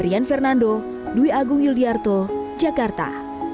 rian fernando dwi agung yuliarto jakarta